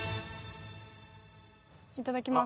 いただきます。